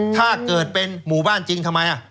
ถ้าเกิดเป็นหมู่บ้านจริงทำไม